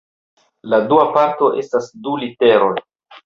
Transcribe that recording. La dua parto estas du literoj.